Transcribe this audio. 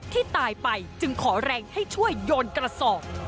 ที่ตายไปจึงขอแรงให้ช่วยโยนกระสอบ